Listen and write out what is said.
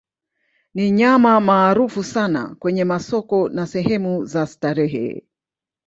Ni nyama maarufu sana kwenye masoko na sehemu za starehe.